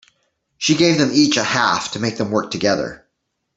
She gave them each a half to make them work together.